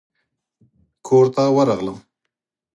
کورته ورغلم.